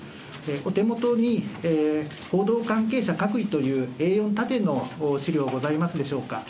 お手元に報道関係者各位というＡ４縦の資料、ございますでしょうか。